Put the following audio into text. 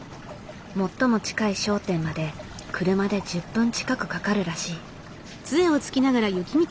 最も近い商店まで車で１０分近くかかるらしい。